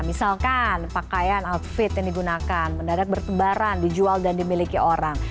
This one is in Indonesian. misalkan pakaian outfit yang digunakan mendadak bertebaran dijual dan dimiliki orang